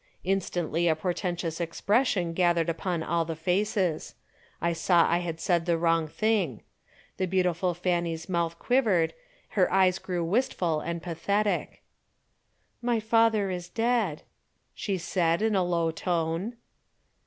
Instantly a portentous expression gathered upon all the faces. I saw I had said the wrong thing. The beautiful Fanny's mouth quivered, her eyes grew wistful and pathetic. "My father is dead," she said in a low tone.